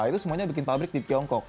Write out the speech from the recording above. itu semuanya bikin pabrik di tiongkok